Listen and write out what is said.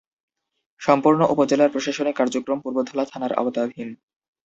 সম্পূর্ণ উপজেলার প্রশাসনিক কার্যক্রম পূর্বধলা থানার আওতাধীন।